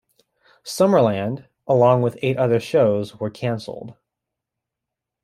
"Summerland", along with eight other shows, were canceled.